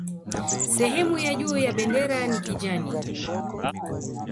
Sehemu ya juu ya bendera ni kijani